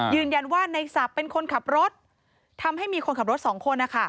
ยืนยันว่าในศัพท์เป็นคนขับรถทำให้มีคนขับรถสองคนนะคะ